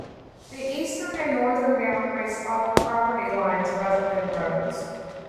The eastern and northern boundaries follow property lines, rather than roads.